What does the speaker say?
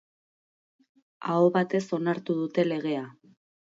Aho batez onartu dute legea.